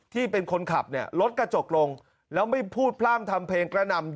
ที่เป็นคนขับเนี่ยรถกระจกลงแล้วไม่พูดพร่ำทำเพลงกระหน่ำ